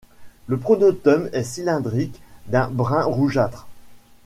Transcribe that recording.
Le pronotum est cylindrique d'un brun rougeâtre.